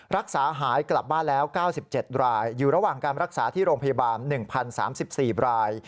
รักษาหายกลับบ้านแล้ว๙๗รายอยู่ระหว่างการรักษาที่โรงพยาบาล๑๐๓๔ราย